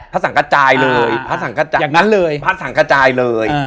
พระสังกะจายเลยพระสังกะจายเลย